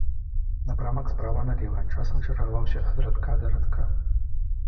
Напрамак справа налева, часам чаргаваўся ад радка да радка.